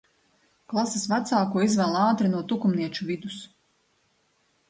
Klases vecāko izvēl ātri no tukumnieču vidus.